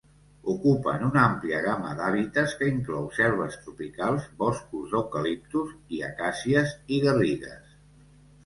Ocupen una àmplia gamma d'hàbitats, que inclou selves tropicals, boscos d'eucaliptus i acàcies, i garrigues.